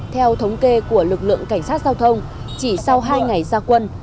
theo thống kê của lực lượng cảnh sát giao thông chỉ sau hai ngày ra quân